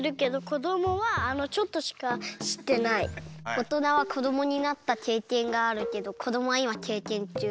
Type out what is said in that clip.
おとなはこどもになったけいけんがあるけどこどもはいまけいけんちゅう。